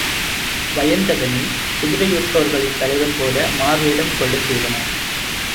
வயந்தகனைக் குதிரை விற்பவர்களின் தலைவன் போல மாறுவேடங் கொள்ளச் செய்தனர்.